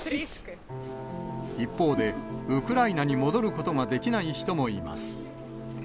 一方で、ウクライナに戻ることができない人もいます。